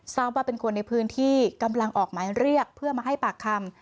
ทราบว่าเป็นคนในพื้นที่กำลังออกหมายเรียกเพื่อมาให้ปากคำ